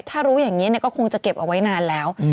ถ้ารู้อย่างนี้ก็คงจะเก็บเอาไว้นานแล้ว